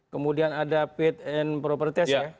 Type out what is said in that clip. kemudian ada fit and proper test ya